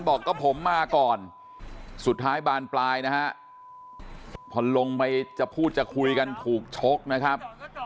บอกก็ผมมาก่อนสุดท้ายบานปลายนะฮะพอลงไปจะพูดจะคุยกันถูกชกนะครับ